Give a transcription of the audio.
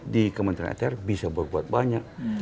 di kementerian atr bisa berbuat banyak